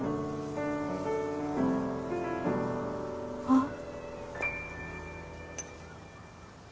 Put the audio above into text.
あっ。